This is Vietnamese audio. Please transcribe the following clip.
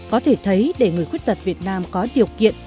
có thể thấy để người khuyết tật việt nam có điều kiện